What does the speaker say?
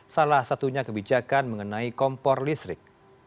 salah satunya kebijakan mengenai kompor listrik